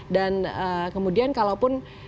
dan kemudian kalaupun